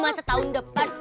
masa tahun depan